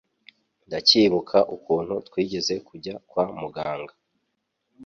Ndacyibuka ukuntu twigeze kujya kwa muganga